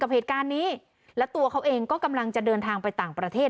เหตุการณ์นี้และตัวเขาเองก็กำลังจะเดินทางไปต่างประเทศ